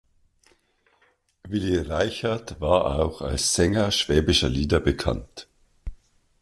Willy Reichert war auch als Sänger schwäbischer Lieder bekannt.